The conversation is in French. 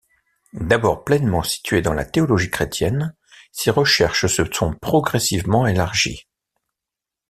D'abord pleinement situées dans la théologie chrétienne, ses recherches se sont progressivement élargies.